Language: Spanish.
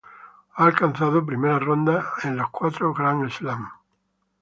Ha alcanzado primera ronda en los cuatro Grand Slam.